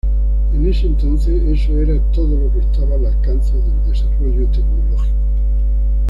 En ese entonces eso era todo lo que estaba al alcance del desarrollo tecnológico.